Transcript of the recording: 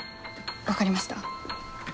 分かりました。